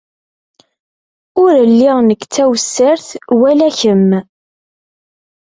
Ur lliɣ nekk d tawessart wala kemm.